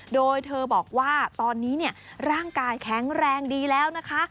โดยเธอบอกว่าตอนนี้ร่างกายแข็งแรงดีแล้วนะคะ